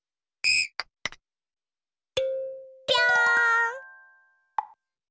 ぴょん！